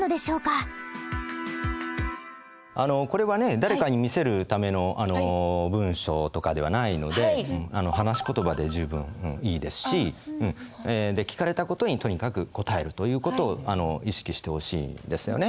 誰かに見せるための文章とかではないので話し言葉で十分いいですし聞かれた事にとにかく答えるという事を意識してほしいですよね。